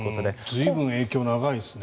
随分、影響長いですね。